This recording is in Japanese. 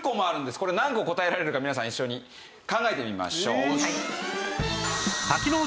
これ何個答えられるか皆さん一緒に考えてみましょう。